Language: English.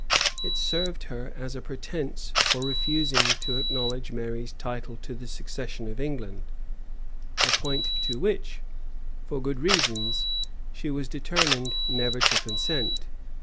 It served her as a pretence for refusing to acknowledge Mary's title to the succession of England; a point to which, for good reasons, she was determined never to consent.